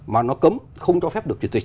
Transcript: mà nó cấm không cho phép được truyền dịch